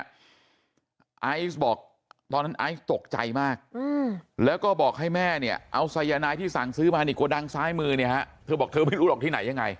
ไอซ์บอกตอนนั้นไอซ์ตกใจมากแล้วก็บอกให้แม่เนี่ยเอาสายนายที่สั่งซื้อมานี่โกดังซ้ายมือเนี่ยฮะเธอบอกเธอไม่รู้หรอกที่ไหนยังไง